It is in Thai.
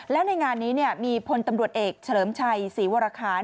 แล้วในงานนี้มีพลตำรวจเอกเฉลิมชัยศรีวรคาร